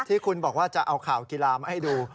ที่คุณบอกว่าจะเอาข่าวกีฬามาให้ดู